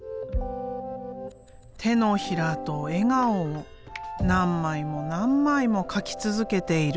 手のひらと笑顔を何枚も何枚も描き続けている。